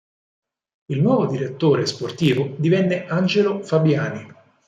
Il nuovo direttore sportivo divenne Angelo Fabiani.